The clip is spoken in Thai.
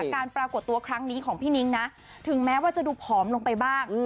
การปรากฏตัวครั้งนี้ของพี่นิ้งนะถึงแม้ว่าจะดูผอมลงไปบ้าง